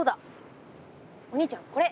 お兄ちゃんこれ！